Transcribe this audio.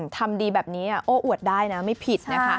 ทำดีแบบนี้โอ้อวดได้นะไม่ผิดนะคะ